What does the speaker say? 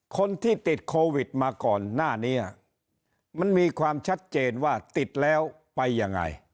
คนที่ติดโควิดมาก่อนหน้านี้มันมีความชัดเจนว่าติดแล้วไปยังไง